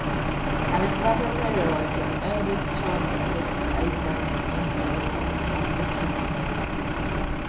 Alexander Taylor was the eldest child of Doctor Isaac M. Taylor and Gertrude Taylor.